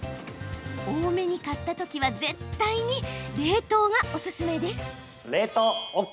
多めに買ったときは絶対に冷凍がおすすめです。